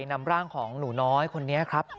นำร่างของหนูน้อยคนนี้ครับ